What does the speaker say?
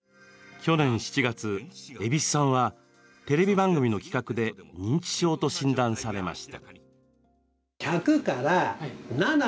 去年７月、蛭子さんはテレビ番組の企画で認知症と診断されました。